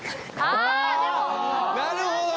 なるほど。